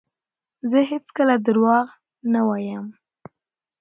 زه هیڅکله درواغ نه وایم.